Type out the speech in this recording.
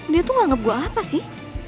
dia tuh nganggep gue apa sih